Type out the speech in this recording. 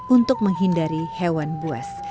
untuk menghindari hewan buas